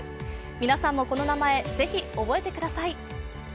皆さんもこの名前ぜひ覚えてください。